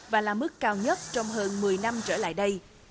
và là mức cao nhất trong hơn một mươi năm trở lại đây